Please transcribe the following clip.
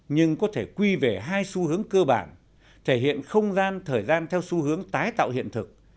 nhưng có thể quy về hai xu hướng cơ bản thể hiện không gian thời gian theo xu hướng tái tạo hiện thực